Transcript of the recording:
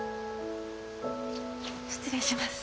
失礼します。